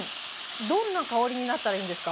どんな香りになったらいいんですか？